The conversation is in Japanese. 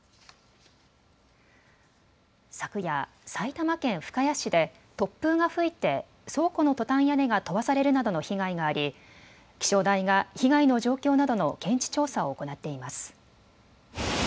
昨夜、埼玉県深谷市で突風が吹いて倉庫のトタン屋根が飛ばされるなどの被害があり気象台が被害の状況などの現地調査を行っています。